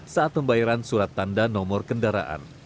saat pembayaran surat tanda nomor kendaraan